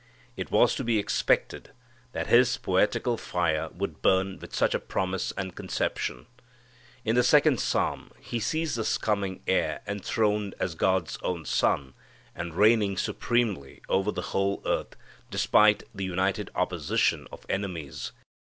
It was to be expected that his poetical fire would burn with such a promise and conception. In the Second Psalm he sees this coming Heir enthroned as God's own Son, and reigning supremely over the whole earth despite the united opposition of enemies.